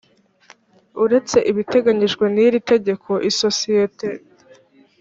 uretse ibiteganyijwe n iri tegeko isosiyete